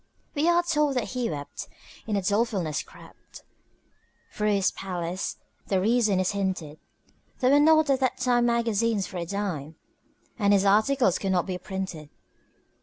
We are told that he wept, and in dolefulness crept Through his palace the reason is hinted: There were not at that time magazines for a dime, And his articles could not be printed.